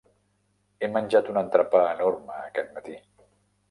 He menjat un entrepà enorme aquest matí.